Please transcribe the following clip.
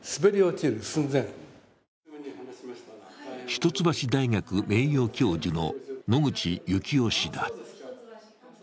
一橋大学名誉教授の野口悠紀雄氏だ。